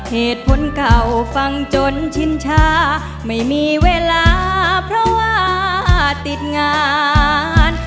เหตุผลเก่าฟังจนชินชาไม่มีเวลาเพราะว่าติดงาน